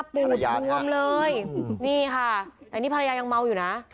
ปูดบวมเลยนี่ค่ะแต่นี่ภรรยายังเมาอยู่นะ